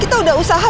kita sudah berusaha